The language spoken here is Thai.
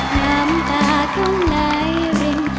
ล้ำตาก็ไหลวิน